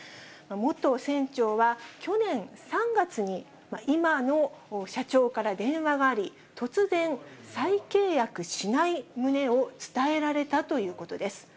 元船長は、去年３月に今の社長から電話があり、突然、再契約しない旨を伝えられたということです。